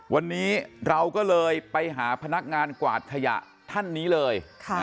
วันนี้เราก็เลยไปหาพนักงานกวาดขยะท่านนี้เลย